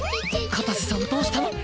片瀬さんどうしたの？